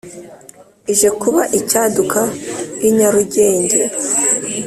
Ije kuba icyaduka i Nyarugenge,